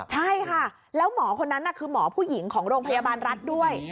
ใช่ค่ะแล้วหมอคนนั้นคือหมอผู้หญิงของโรงพยาบาลรัฐด้วย